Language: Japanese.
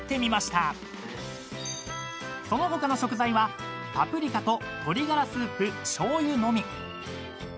［その他の食材はパプリカと鶏ガラスープしょうゆのみ］